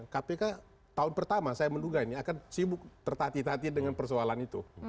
kpk tahun pertama saya menduga ini akan sibuk tertati tati dengan persoalan itu